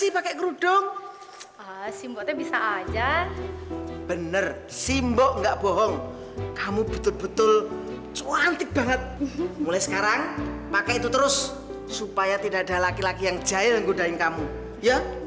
pakai itu terus supaya tidak ada laki laki yang jahil yang ngudain kamu ya